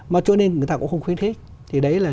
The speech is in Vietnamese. mà cho nên người ta cũng không khuyết thích thì đấy là